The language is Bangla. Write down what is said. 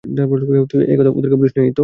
তুই এই কথা ওদেরকে বলিস নাই তো?